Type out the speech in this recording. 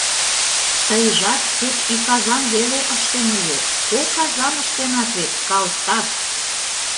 Тыйжат кеч ик азам веле ыштем ыле, кок азам ыштенат вет, калтак!